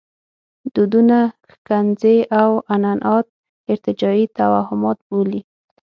دودونه ښکنځي او عنعنات ارتجاعي توهمات بولي.